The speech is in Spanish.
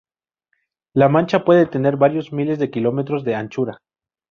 La mancha puede tener varios miles de kilómetros de anchura.